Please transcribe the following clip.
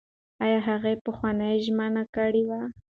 ایا هغې پخوانۍ ژمنه کړې وه؟